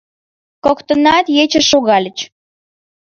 Коктынат ечыш шогальыч.